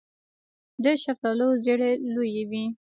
د شفتالو زړې لویې وي.